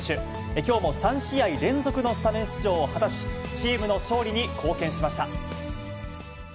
きょうも３試合連続のスタメン出場を果たし、チームの勝利に貢献しました。